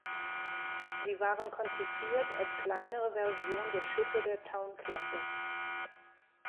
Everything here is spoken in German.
Sie waren konzipiert als kleinere Version der Schiffe der Town-Klasse.